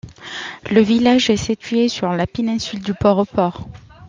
Le village est situé sur la péninsule de Port-au-Port.